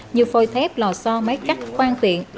như phôi thép lò xo máy cắt khoan tiện